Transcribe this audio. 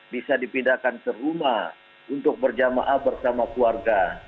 bisa dipindahkan ke rumah untuk berjamaah bersama keluarga